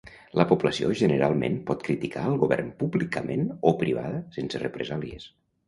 La població generalment pot criticar al govern públicament o privada sense represàlies.